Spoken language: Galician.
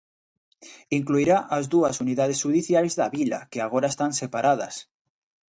Incluirá as dúas unidades xudiciais da vila, que agora están separadas.